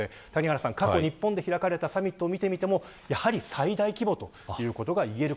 過去日本で開かれたサミットを見てみても、やはり最大規模ということがいえる。